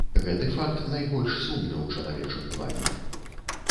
Гэты факт найбольш сумны ў чалавечым плане.